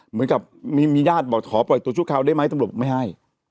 เหมือนกับมีญาติบอกขอปล่อยตัวชั่วคราวได้ไหมตำรวจไม่ให้